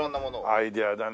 アイデアだね。